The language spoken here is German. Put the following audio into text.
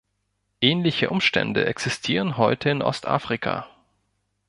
Ähnliche Umstände existieren heute in Ostafrika.